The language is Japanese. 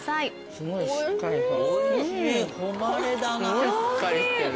すごいしっかりしてる。